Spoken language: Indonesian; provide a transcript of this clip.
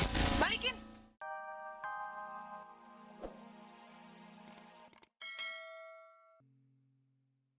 kau bawa timah